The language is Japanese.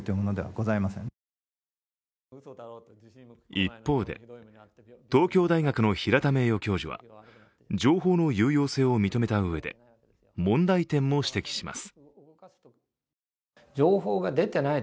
一方で、東京大学の平田名誉教授は情報の有用性を認めたうえで問題点も指摘します。